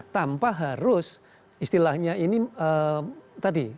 tanpa harus istilahnya ini tadi